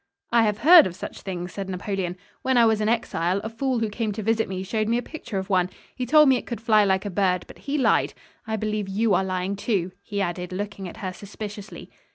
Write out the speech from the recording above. "I have heard of such things," said Napoleon. "When I was in exile, a fool who came to visit me showed me a picture of one. He told me it could fly like a bird, but he lied. I believe you are lying, too," he added, looking at her suspiciously.